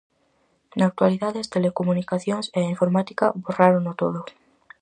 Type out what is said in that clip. Na actualidade as telecomunicacións e a informática borrárono todo.